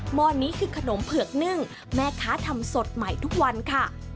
ห้อนี้คือขนมเผือกนึ่งแม่ค้าทำสดใหม่ทุกวันค่ะ